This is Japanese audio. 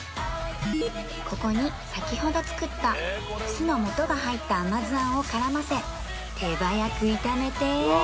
ここに先ほど作った酢の素が入った甘酢あんを絡ませ手早く炒めて